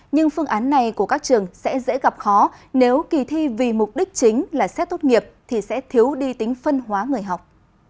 nhưng phương án này của các trường sẽ dễ gặp khó nếu kỳ thi vì mục đích chính là xét tốt nghiệp thì sẽ thiếu đi tính phân hóa người học